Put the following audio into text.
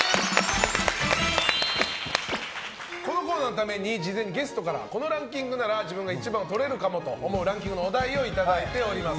このコーナーのために事前にゲストからこのランキングなら自分が１番をとれるかもというランキングのお題をいただいております。